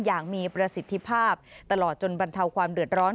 อย่างมีประสิทธิภาพตลอดจนบรรเทาความเดือดร้อน